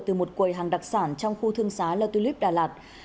từ một quầy hàng đặc sản trong khu thương xá la tulip đà lạt